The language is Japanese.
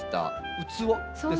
器ですか？